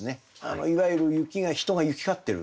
いわゆる人が行き交ってる。